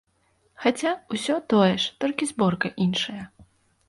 Хаця ўсё тое ж, толькі зборка іншая.